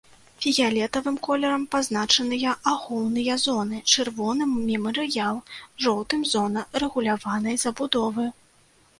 Фіялетавым колерам пазначаныя ахоўныя зоны, чырвоным мемарыял, жоўтым зона рэгуляванай забудовы.